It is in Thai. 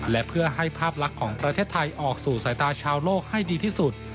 และเพื่อให้ภาพลักษณ์ของประเทศไทยออกสู่สายตาชาวโลกให้ดีที่สุด